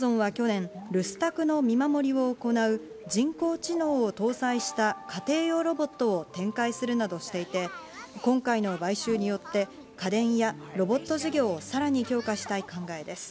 アマゾンは去年、留守宅の見守りを行う人工知能を搭載した家庭用ロボットを展開するなどしていて、今回の買収によって家電やロボット事業を、さらに強化したい考えです。